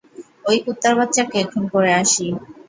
ঐ কুত্তার বাচ্চাকে খুন করে আসি।